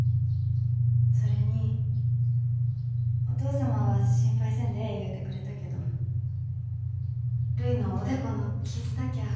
それにお義父様は心配せんでええ言うてくれたけどるいのおでこの傷だきゃあ